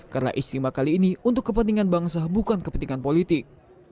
karena istimewa kali ini untuk kepentingan bangsa bukan kepentingan politik